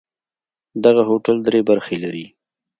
دغه هوټل درې برخې لري.